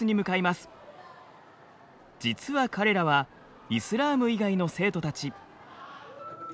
実は彼らはイスラーム以外の生徒たち。